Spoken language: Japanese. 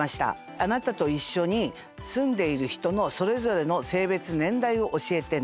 「あなたと一緒に住んでいる人のそれぞれの性別・年代を教えてね」。